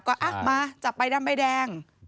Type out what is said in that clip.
ก็หักมาจัดใบดำแบบแดง